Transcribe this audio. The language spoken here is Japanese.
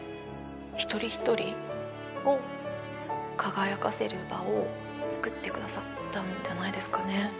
一人一人を輝かせる場を作ってくださったんじゃないですかね。